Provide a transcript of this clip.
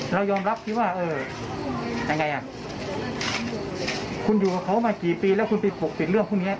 เรายอมรับที่ว่าเออยังไงอ่ะคุณอยู่กับเขามากี่ปีแล้วคุณไปปกปิดเรื่องพวกเนี้ย